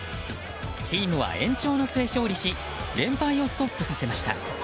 チームは延長の末勝利し連敗をストップさせました。